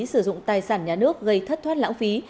sử dụng tài sản nhà nước gây thất thoát lãng phí